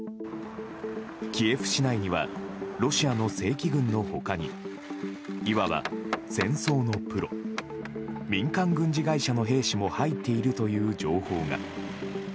キエフ市内にはロシアの正規軍の他にいわば戦争のプロ民間軍事会社の兵士も入っているという情報が。